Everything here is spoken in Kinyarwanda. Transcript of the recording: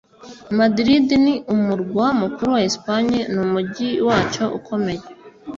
madrid ni umurwa mukuru wa espagne n'umujyi wacyo ukomeye